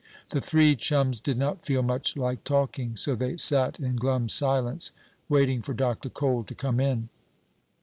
The three chums did not feel much like talking, so they sat in glum silence, waiting for Dr. Cole to come in.